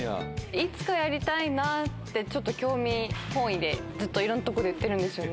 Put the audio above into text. いつかやりたいなって、ちょっと興味本位で、ずっといろんなとこで言ってるんですよね。